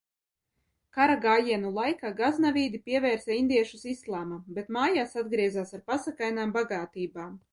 Karagājienu laikā Gaznevīdi pievērsa indiešus islāmam, bet mājās atgriezās ar pasakainām bagātībām.